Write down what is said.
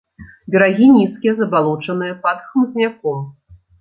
Берагі нізкія, забалочаныя, пад хмызняком.